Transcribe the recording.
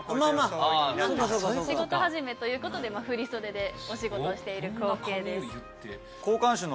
仕事始めということで振り袖でお仕事している光景です。